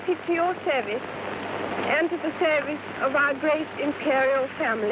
ที่ทุกคนเจ้าเป็น